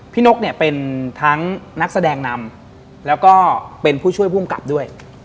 นกเนี่ยเป็นทั้งนักแสดงนำแล้วก็เป็นผู้ช่วยภูมิกับด้วย